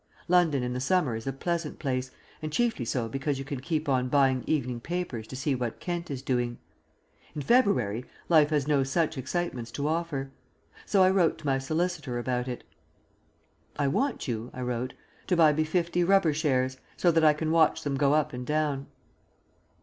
London in the summer is a pleasant place, and chiefly so because you can keep on buying evening papers to see what Kent is doing. In February life has no such excitements to offer. So I wrote to my solicitor about it. "I want you" (I wrote) "to buy me fifty rubber shares, so that I can watch them go up and down."